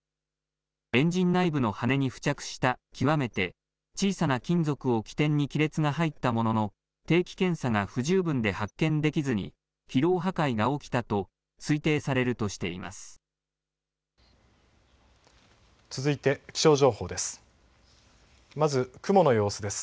エンジン内部の羽根に付着した極めて小さな金属を起点に亀裂が入ったものの定期検査が不十分で発見できずに疲労破壊が起きたと推定されるとしています。